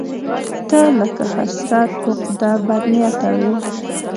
ته لکه حسرت، عقده، بدنيته وې